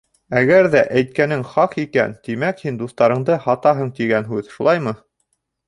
Әгәр ҙә әйткәнең хаҡ икән, тимәк һин дуҫтарыңды һатаһың тигән һүҙ, шулаймы?